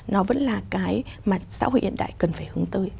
nó vẫn là cái mà xã hội hiện đại cần phải hướng tới